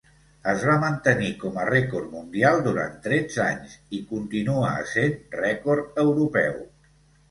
Es va mantenir com a rècord mundial durant tretze anys i continua essent rècord europeu.